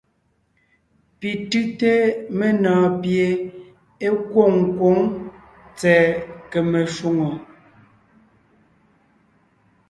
Pi tʉ́te menɔɔn pie é kwôŋ kwǒŋ tsɛ̀ɛ kème shwòŋo.